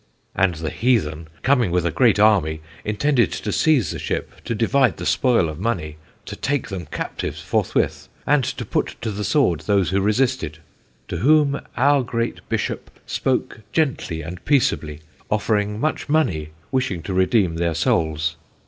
"And the heathen, coming with a great army, intended to seize the ship, to divide the spoil of money, to take them captives forthwith, and to put to the sword those who resisted. To whom our great bishop spoke gently and peaceably, offering much money, wishing to redeem their souls.